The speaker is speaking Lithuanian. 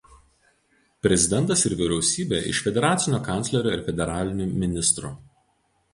Prezidentas ir vyriausybė iš federacinio kanclerio ir federalinių ministrų.